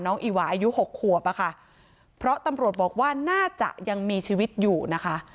อีหวาอายุหกขวบอะค่ะเพราะตำรวจบอกว่าน่าจะยังมีชีวิตอยู่นะคะ